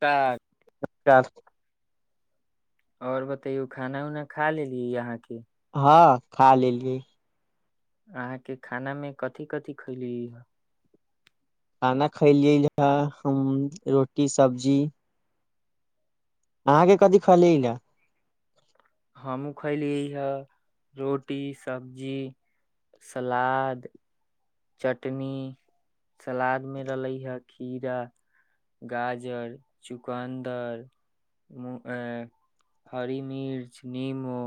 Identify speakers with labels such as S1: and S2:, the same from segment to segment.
S1: का
S2: क्या सू
S1: ओर बतैयौ खाना उना खा लेली आहाँ की
S2: हँ खा लेलियै
S1: अहाँके खानामे कथि कथि खइली
S2: खाना खयलियैे हम रोटी सब्जी अहाँके कथी खैलिये य
S1: हमहूँ खलियै हए रोटी सबजी सलाद चटनी सलाद मे रहलै हे खीरा गाजर चुकन्दर मु ए हरी मिर्च निमो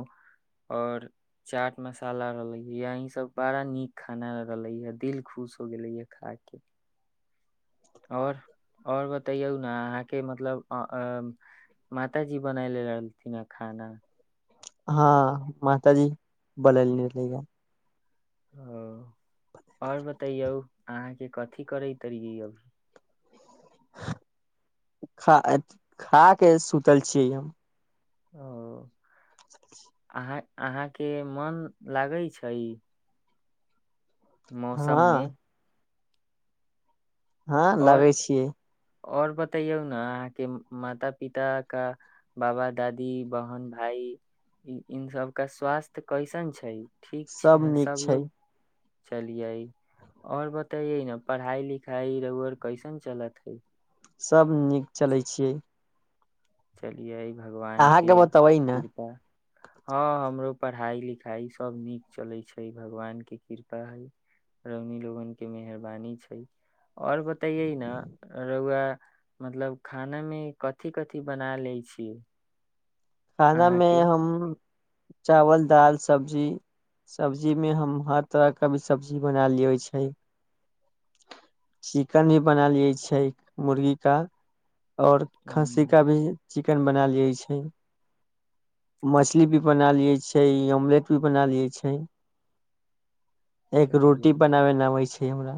S1: और चाट मसाला रहलै ह यही सब बड़ा नीक खाना रहलै हऽ दिल खुश हो गेलै य खाके आओर आओर बतैयौ न अहाँके मतलब मातााजी बनायले रहलथिन ह खाना
S2: हँ मात जी बनैले रहिया
S1: ओ आओर बतैयौ अहाँके कथी करैत रियै
S2: खा खा के सुतल छियै हम
S1: ओ अहाँ अहाँके मन लागै छै मौसम मे
S2: हँ हँ लगै छियै
S1: और बतयौ ने अहाँ के माता पिता का बाबा दादी बहन भाई इन सब कऽ स्वास्थ्य कैसन छै
S2: सभ नीक छै
S1: चलिये आओर बतैये न पढ़ाई लिखाई रौअर कैसन चलातै हइ
S2: सभ नीक चलै छियै
S1: चलिए भगवान
S2: अहाँके
S1: के
S2: बतबै ने
S1: कृपा हँ हमरो पढ़ाइ लिखाइ सभ नीक चलै छै भगवानके कृपा हइ रौनी लोगन के मेहरबानी छै आओर बताइये न रउआ मतलब खाना मे कथि कथि कथी बना लै छी
S2: खानामे हम चावल दाल सब्जी सब्जी मे हम हर तरह के भी सब्जी बना लियै छै चिकेन भी बना लियै छै मुर्गी का और खस्सी का भी चिकेन बना लिये छै [unintelligible] मछली भी बना लियै छै ऑमलेट भी बना लियै छै एक
S1: चलियै
S2: रोटी बनाबे ना आबै छै हमरा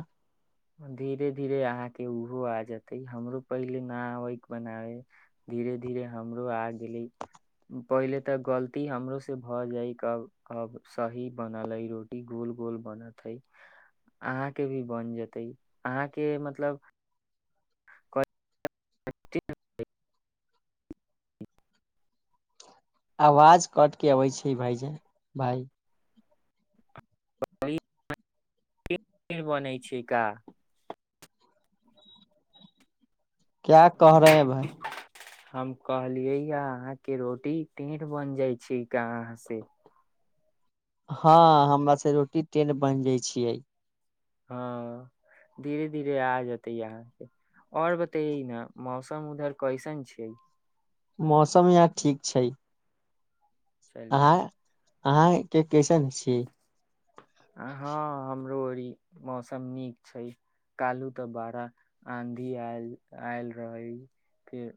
S1: धीरे धीरे अहाँ के ओहो आ जेते हमरो पहिले ना आबै बनाबे धीरे धीरे हमरो आ गेले पहिले तऽ गलती हमरो से भऽ जाय अब अब सही बनलै रोटी गोल गोल बनत हइ अहााँके भी बन ज तै अहाँके मतलब कच्ची [unintelligible]
S2: आवाज कट के अबै छै भाइजी भई
S1: [unintelligible] बनै छै का
S2: क्या कह रहे भाय
S1: हम कहलियै या अहाँके रोटी टेढ़ बन जाइ छै का आहाँ से
S2: हँ हमरा से रोटी टेढ़ बन जय छियै
S1: हँ धीरे धीरे आ जेतै अहाँके आओर बतैै ने मौसम उधर कैसन छियै
S2: मौसम यहाँ ठीक छै
S1: चलिियए
S2: अहाँके कैसन छीय [unintelligible]
S1: रोड़ी मौसम नीक छै क्ू तऽ बड़ा आँधील आयल रहै फिर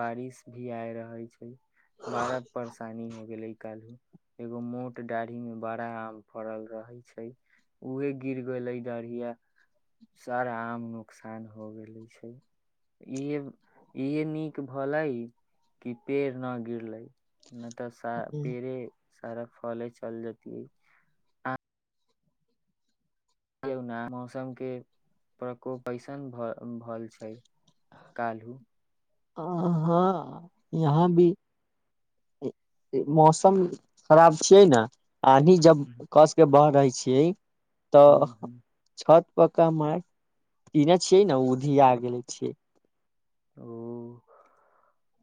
S1: बारिश भी आय रहै छै बारा परेशानी हो गेल लै कल एगो मोट दाढ़ी में बड़ा आम फड़ल रहै छै उहे गिर गेलै डढ़िया सारा आम नुकसान हो गेले छै इहे इहे नीक भलै कि पेड़ न गिरले नहि तऽ सा पेरे सारा फले चल जतिै आ मौसम के प्रकोप कैसन भ भल छै कालू
S2: आ हँ यहाँ भी मौसम खराब छियै न आनी जब कस के बह रहै छै छियै तऽ छत पकका म ईने छियै ने उधी आ गेले छियै
S1: ओ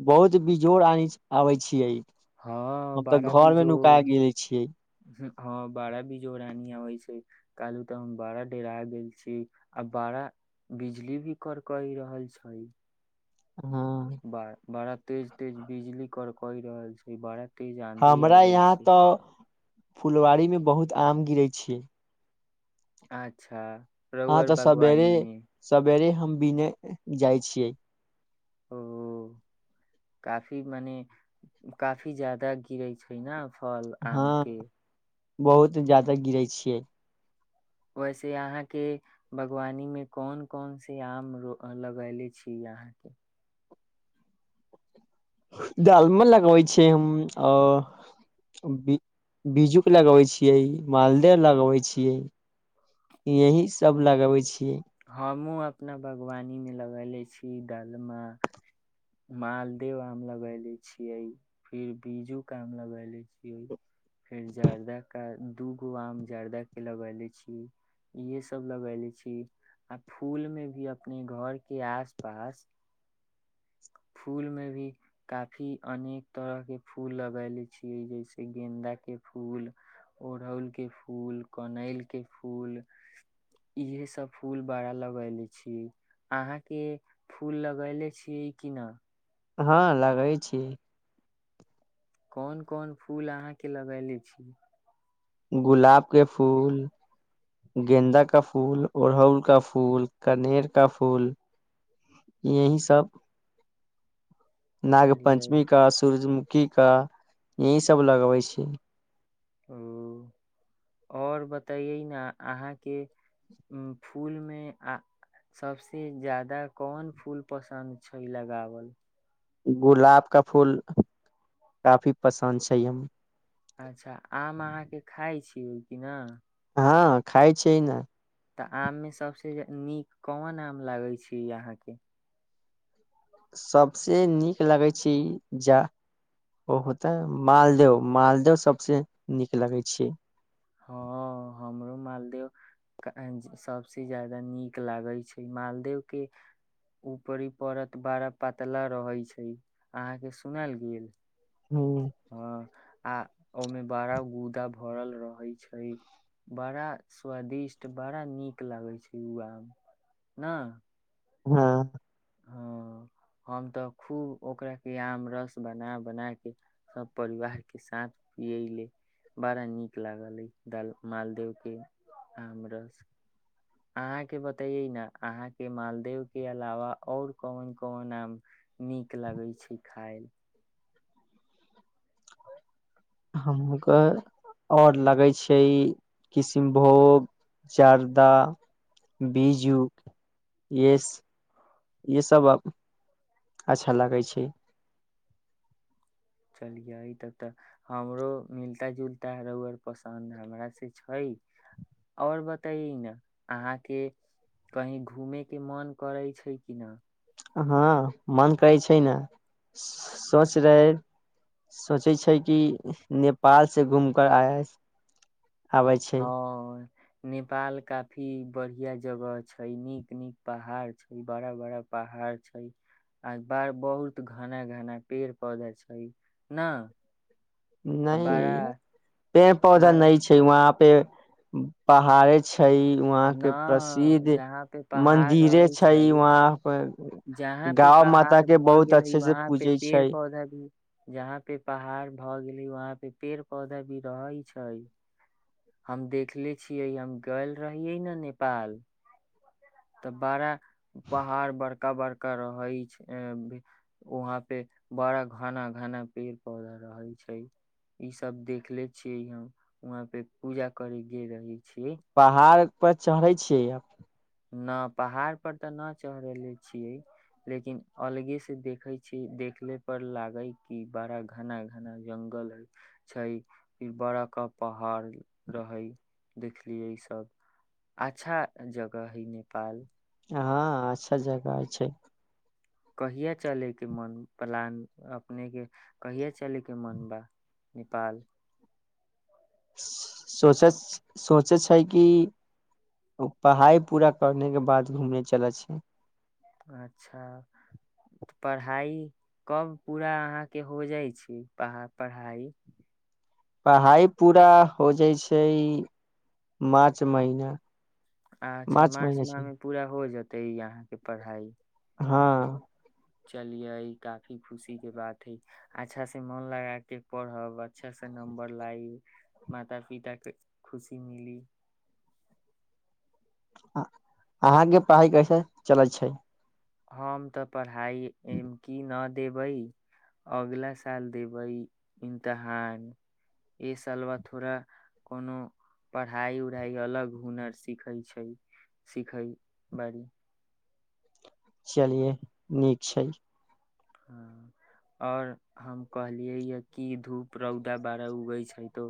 S2: बहुत बेजोड़ आबै छियै
S1: हँ
S2: हम तऽ
S1: बारह बी
S2: घर मे नुका
S1: जोर
S2: गेले छियै
S1: हँ बारह बी जोर आनी आबै छै कहलू तऽ हम बड़ा डेर आ गेल छी आ बड़ा बिजली भी करकहि रहल छै
S2: हँ
S1: ब बड़ा तेज तेज बिजली कर कहि रहल छै बड़
S2: हमरा यहाँ तऽ फुलवाारीमे बहुत आम गिरै छीियै
S1: अच्छा
S2: हँ
S1: रउर
S2: तऽ सबेरी
S1: बागवानी मे
S2: सबेरी हम बीने जाइ छियै
S1: ओ काफी मने काफी ज्यदा गिरै छै ने फल
S2: हँ
S1: आमके
S2: बहुत जादा गिरै छियै
S1: वैसे अहाँके बागवानीमे कोन कोन से आम र लगयले छी अहाँके
S2: दालमो लगवै छिय हम बिीज्जू के लगबै छियै मालदह लगवे छीियै यह सब लगबे छियै
S1: हमहूँ अपना बागवानीमे लगयलने छी दालमा मालदे आम लगै ले छियै फेर बीजूके आम लगै ले छियै फेर जर्दाे दू गो आम जर्दाके लगै ले छीियै इएहे सभ लगै ले छीियै आ फूलमे भी अपने घरके आस पास फूल मे भी काफी अनेक तरह के फूल लगैले छियै जैसे गेन्दा के फूल ओड़हुल के फूल कनैल के फूल इहे सब फूल बड़ा लगैले छियै अहाँके फूल लगैले छियै किना
S2: हँ लगै छी
S1: कोन कोन फूल अहाँके लगयनेे छी
S2: गुलाब के फूल गेन्ददा का फूल उड़हुल का फूल कनेर का फूल यह सब नाग
S1: चलिए
S2: पञ्चमी का सूर्यमुखी त यही सब लगबै छी
S1: ओ आओर बतैै ने अहाँके फूलमे आ सभसँ ज्यादा कोन फूल पसन्द छै लगावल
S2: गुलाब का फूल काफी पसन्द छै हम
S1: अच्छा आम अहाँके खाइ छी होल क न
S2: हँ खाइ छिय ने
S1: तऽ आममे सभसँ नीक कोन आम लागै छै अहाँके
S2: सबस नीक लगै छै जा ओ होता मालदेव मालदह सबस नीक लगै छै
S1: हँ हमरो मालदेव सबस जादा नीक लागै छै मालदेव के ऊपर पड़त बारा पतला रहै छै अहाँके सुनाल गेल
S2: हूँ
S1: हँ आ ओमे बड़ा गूदा भरल रहै छै बड़ा स्वादिष्ट बड़ा नीक लागै छै उ आम
S2: हँ
S1: हँ हम तऽ खूब ओकरा के आम रस बना बना के सभ परिवार के साथ पियले बड़ा नीक लागल अ मालदेव के आम रस अहाँके बतैयै ने अहाँ के मालदेव के अलावा आओर कोन कोन आम नीक लगै छै खााय मे
S2: हमके आओर लगै छै किशनभोग जार्दा बीजू य य सब अच्छा लागै छै
S1: चलिय ई तब तऽ हमरो मिलता जुलता रोअर पसन्द हमर से छै आओर बतय ने अहाँके कही घूमे के मन करै छै कि न
S2: हँ मन करै छै ने सोच रहे सोचै छै कि नेपालसँ घूम कर आय आबै छै
S1: ह नेपाल काफी बढ़िया जगह छै नीक नीक पहाड़ छै बड़ा बड़ा पहाड़ छै आ ब बहुत घना घना पेड़ पौधा छै ने
S2: नहि पेड़ पौधा
S1: बड़ा
S2: नहि छै वहाँ पे पहाड़े छै वहाँ के
S1: न
S2: प्रसिद्ध
S1: जहााँ पे पहाड़
S2: मंदिरे
S1: रहै छै
S2: वहाँ पर
S1: जहााँ पे
S2: गाँव माता
S1: पहाड़
S2: के
S1: भऽ
S2: बहुत
S1: गेलै
S2: अच्छे से
S1: वहााँ पे
S2: पूजे
S1: पेड़
S2: छै
S1: पौधा भी जहाँ पे पहाड़ भऽ गेले वहााँ पे े पेड़ पौधा भी रहै छै हम देखले छियै हम गल रहियै ने नेपाल तऽ बड़ा पहाड़ बड़का बड़का रहै छै वहा पे बड़ा घना घना पेड़ पौधा रहै छै इ सब देखले छियै हम वहाँ पे पूजा करे गेल रही त
S2: पहाड़ प चढ़ै छियै आब
S1: न पहाड़ पर ते न चढ़ेले छीिये लेकिन अलगे से देखे छी देखले पर लागे कि बड़ा घना घना जंगल छै बड़ क पहाड़ रहे देखलिय इ सब अच्छा जगह कह ही नेपाल
S2: हँ अच्छा जगह छै
S1: कहिया चले के मन प्लान अपनेके कहिया चलयके मोन बा नेपाल
S2: सोच सोचै छै कि पढ़ाइ पूरा करने के बाद घूमने चलै छै
S1: अच्छाऽ पढ़ाइ कब पूरा अहाँके हो जाइ छै पा पढ़ाइ
S2: पढ़ाइ पूरा हो जाइ छै ई मार्च महिना
S1: अच्छा मार्च माहमे पूरा हो जेतै ई अहाँके पढ़ाइ
S2: हँ
S1: चलियै काफी खुशी के बात हइ अच्छा से मन लगा क पढ़ब अच्छा से नम्बर लाइ माता पिता के खुशी मिली
S2: अहाँके पढ़ाइ कैसे चलैत छै
S1: हम तऽ पढ़ा हइ एमकी न देबै अगला साल देबै इमतहान एहिस अलवा थोड़ा कोनो पढ़ाई उढ़ाई अलग हुनर सिखै छै सिखै बारी
S2: चलिये नीक छै
S1: हँ आओर हम कहलियैए कि धूप रौदा बड़ा उगै छै तऽ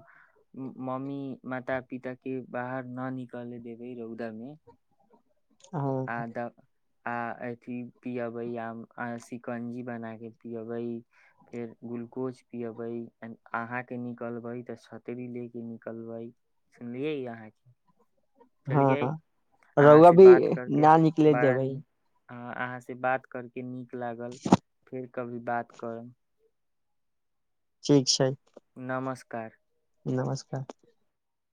S1: मम्मी माता पिताके बाहर नहि निकलय देबै रौदामे
S2: ओ
S1: आ अथिी पियबै आ शिकंजी बना कऽ पियबै फेर ग्लूकोज पियबै अहाँके निकलबै तऽ छतरी लऽ कऽ निकलबै सुनलियै अहाँके
S2: हँ रौआ भी न निकले देबै
S1: ह अहाँसँ बात करके नीक लागल फेर कभी बात करब
S2: ठीक छै
S1: नमस्कार
S2: नमस्कार